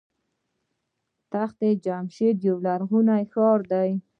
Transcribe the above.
تخت جمشید یو لرغونی ښار دی.